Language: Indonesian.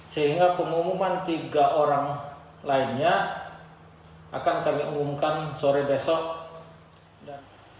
sehingga pengumuman tiga orang lainnya akan kami umumkan sore besok dan